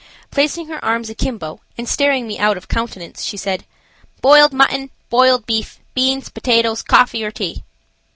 Placing her arms akimbo and staring me out of countenance she said: "Boiled mutton, boiled beef, beans, potatoes, coffee or tea?"